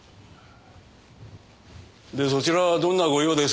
でそちらはどんなご用ですか。